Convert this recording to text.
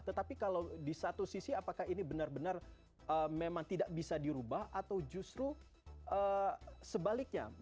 tetapi kalau di satu sisi apakah ini benar benar memang tidak bisa dirubah atau justru sebaliknya